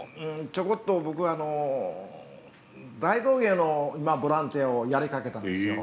ちょこっと僕大道芸の今ボランティアをやりかけたんですよ。